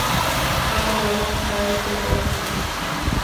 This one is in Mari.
А мыланна кайыде ок лий.